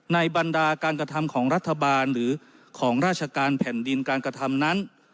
บรรดาการกระทำของรัฐบาลหรือของราชการแผ่นดินการกระทำนั้น